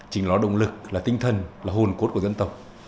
chính là động lực là tinh thần là hồn cốt của dân tộc